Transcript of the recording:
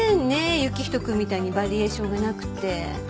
行人くんみたいにバリエーションがなくて。